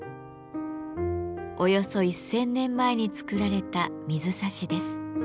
およそ１，０００年前に作られた水差しです。